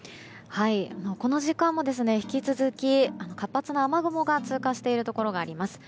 この時間は引き続き活発な雨雲が通過しているところがあります。